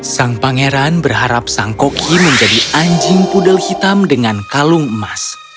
sang pangeran berharap sang koki menjadi anjing pudel hitam dengan kalung emas